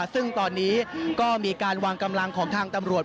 ซึ่งตอนนี้ก็มีการวางกำลังของทางตำรวจ